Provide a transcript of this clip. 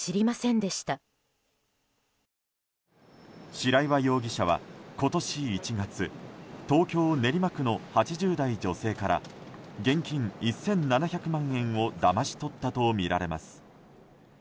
白岩容疑者は今年１月東京・練馬区の８０代女性から現金１７００万円をだまし取ったとみられます。